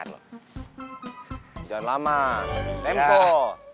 jangan lama tempo